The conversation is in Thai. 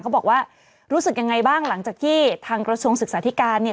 บอกว่ารู้สึกยังไงบ้างหลังจากที่ทางกระทรวงศึกษาธิการเนี่ย